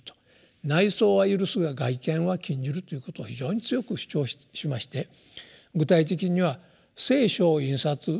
「内想は許すが外顕は禁じる」ということを非常に強く主張しまして具体的には「聖書」を印刷するということは禁止する。